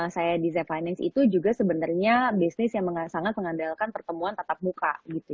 saya di z finance itu juga sebenarnya bisnis yang sangat mengandalkan pertemuan tatap muka